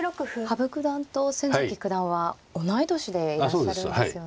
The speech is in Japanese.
羽生九段と先崎九段は同い年でいらっしゃるんですよね。